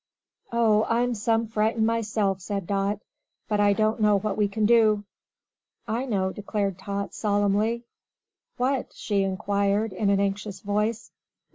"Oh, I'm some frightened myself," said Dot. "But I don't know what we can do." "I know," declared Tot, solemnly. "What?" she inquired, in an anxious voice.